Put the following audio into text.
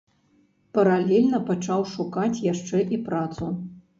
Паралельна пачаў шукаць яшчэ і працу.